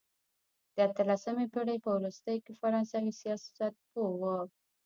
د اتلسمې پېړۍ په وروستیو کې فرانسوي سیاستپوه وو.